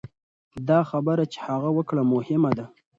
دا خبره چې هغه وکړه مهمه ده.